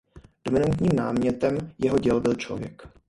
Dominantním námětem jeho děl byl člověk.